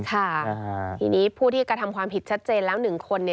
ค่ะทีนี้ผู้ที่กระทำความผิดชัดเจนแล้ว๑คน